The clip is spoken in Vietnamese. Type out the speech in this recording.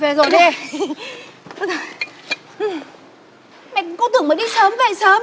mẹ cô tưởng mới đi sớm về sớm